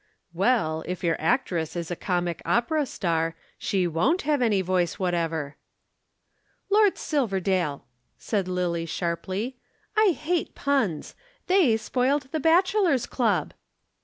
"Well, if your actress is a comic opera star, she won't have any voice whatever." "Lord Silverdale," said Lillie sharply, "I hate puns. They spoiled the Bachelors' Club."